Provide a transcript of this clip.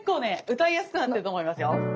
歌いやすくなってると思いますよ。